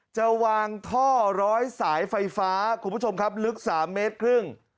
จะวางท่อร้อยสายไฟฟ้าคุณผู้ชมครับลึก๓เมตรครึ่ง